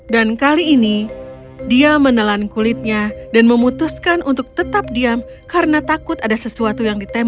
dan kali ini dia menelan kulitnya dan memutuskan untuk tetap diam karena takut ada sesuatu yang ditakutkan